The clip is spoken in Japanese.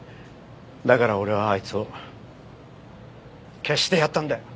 だから俺はあいつを消してやったんだよ。